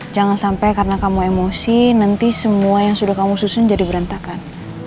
jangan sampai karena kamu emosi nanti semua yang sudah kamu susun jadi berantakan